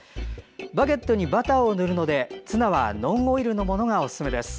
バゲットにバターを塗るのでツナはノンオイルのものがおすすめです。